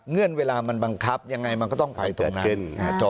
เงื่อนเวลามันบังคับยังไงมันก็ต้องไปตรงนั้น